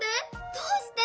どうして？